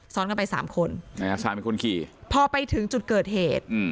ซ้อนกันไป๓คนพอไปถึงจุดเกิดเหตุ